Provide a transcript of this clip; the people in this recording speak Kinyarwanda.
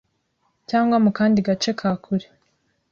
cyangwa mu kandi gace ka kure